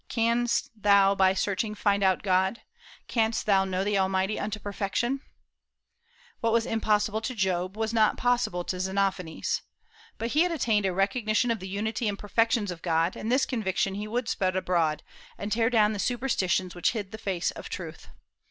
"Canst thou by searching find out God? canst thou know the Almighty unto perfection?" What was impossible to Job was not possible to Xenophanes. But he had attained a recognition of the unity and perfections of God; and this conviction he would spread abroad, and tear down the superstitions which hid the face of truth.